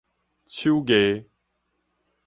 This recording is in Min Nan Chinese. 手藝